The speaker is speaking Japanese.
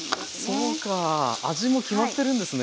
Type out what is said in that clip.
そうかあ味も決まってるんですね。